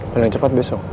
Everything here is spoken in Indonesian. paling cepat besok